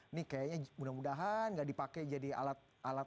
ini kayaknya mudah mudahan gak dipakai jadi alat alat